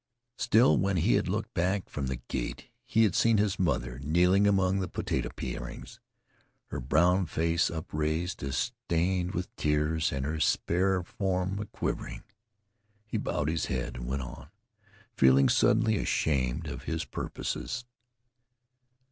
Still, when he had looked back from the gate, he had seen his mother kneeling among the potato parings. Her brown face, upraised, was stained with tears, and her spare form was quivering. He bowed his head and went on, feeling suddenly ashamed of his purposes.